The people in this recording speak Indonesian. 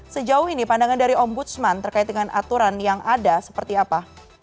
sejauh ini pandangan dari ombudsman terkait dengan aturan yang ada seperti apa